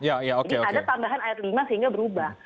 jadi ada tambahan ayat lima sehingga berubah